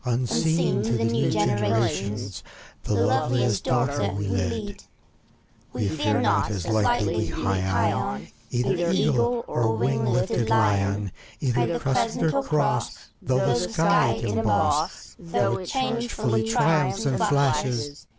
Unseen to the new generations, The loveliest daughter we lead. We fear not, as lightly we hie on, Either Eagle or wing lifted Lion, Either Crescent or Cross, "'hough the sky it emboss, — ough it changefully triumphs and flashes.